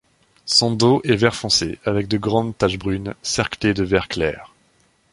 Son dos est vert foncé avec de grandes taches brunes cerclées de vert clair.